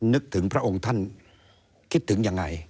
นึกถึงพระองค์ท่านคิดถึงยังไง